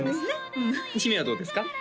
うん姫はどうですか？